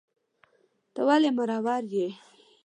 ته ولي مرور یې